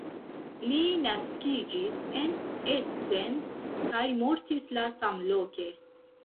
Li naskiĝis en Essen kaj mortis la samloke.